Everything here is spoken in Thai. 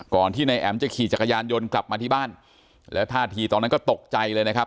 ที่นายแอ๋มจะขี่จักรยานยนต์กลับมาที่บ้านแล้วท่าทีตอนนั้นก็ตกใจเลยนะครับ